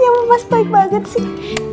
ya papa sebaik banget sih